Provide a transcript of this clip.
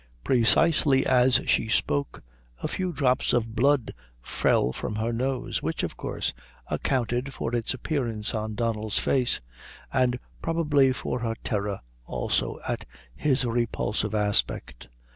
Precisely as she spoke, a few drops of blood fell from her nose, which, of course, accounted for its appearance on Donnel's face, and probably for her terror also at his repulsive aspect.